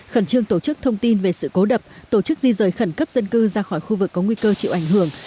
khẩn trương tổ chức thông tin về sự cố đập tổ chức di rời khẩn cấp dân cư ra khỏi khu vực có nguy cơ chịu ảnh hưởng